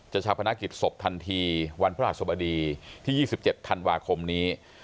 ชาวพนักกิจศพทันทีวันพระหัสบดีที่๒๗ธันวาคมนี้